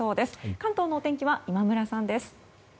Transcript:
関東のお天気は今村さんです。